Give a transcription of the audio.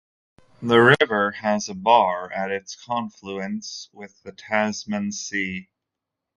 The river has a bar at its confluence with the Tasman Sea.